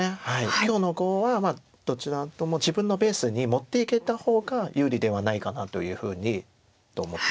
今日の碁はどちらとも自分のペースに持っていけた方が有利ではないかなというふうに思って。